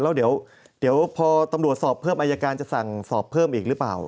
แล้วเดี๋ยวพอตำรวจสอบเพิ่มอายการจะสั่งสอบเพิ่มอีกหรือเปล่า